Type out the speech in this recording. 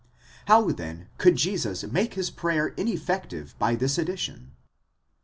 How then could Jesus make his prayer ineffective by this addition?